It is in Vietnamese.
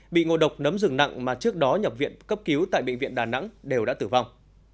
bị ngộ độc nấm rừng nặng mà trước đó nhập viện cấp cứu tại bệnh viện đà nẵng đều đã tử vong